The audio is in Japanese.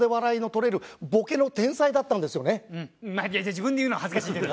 自分で言うのは恥ずかしいけど。